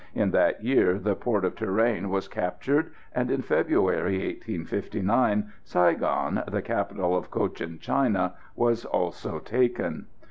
In that year the port of Tourane was captured, and in February, 1859, Saigon, the capital of Cochin China, was also taken.